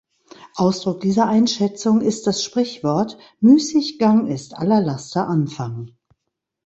Ausdruck dieser Einschätzung ist das Sprichwort „Müßiggang ist aller Laster Anfang“.